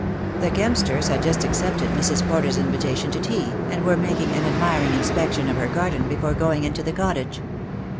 The Kempsters had just accepted Mrs. Porter's in vitation to tea, and were making an admiring inspection of her garden before going into the cottage.